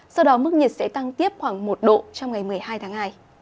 sau đó mức nhiệt sẽ tăng tiếp khoảng một độ trong ngày một mươi hai tháng hai